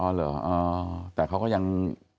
เหรอแต่เขาก็ยัง